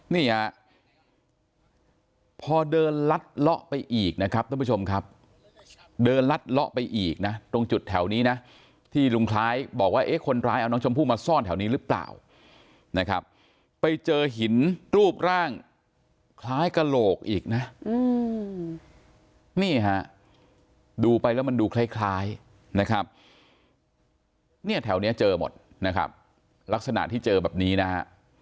นี่ฮะพอเดินลัดเลาะไปอีกนะครับท่านผู้ชมครับเดินลัดเลาะไปอีกนะตรงจุดแถวนี้นะที่ลุงคล้ายบอกว่าเอ๊ะคนร้ายเอาน้องชมพู่มาซ่อนแถวนี้หรือเปล่านะครับไปเจอหินรูปร่างคล้ายกระโหลกอีกนะนี่ฮะดูไปแล้วมันดูคล้ายนะครับเนี่ยแถวนี้เจอหมดนะครับลักษณะที่เจอแบบนี้นะฮะ